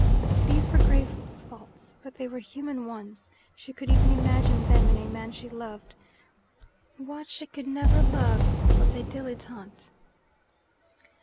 These were grave faults, but they were human ones: she could even imagine them in a man she loved. What she could never love was a dilettante.